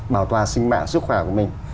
bảo toàn sinh mạng sức khỏe của mình